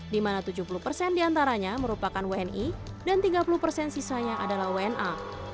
di mana tujuh puluh persen diantaranya merupakan wni dan tiga puluh persen sisanya adalah wna